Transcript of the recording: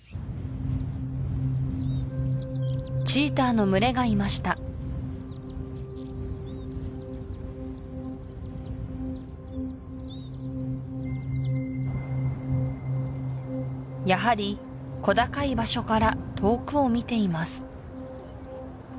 チーターの群れがいましたやはり小高い場所から遠くを見ています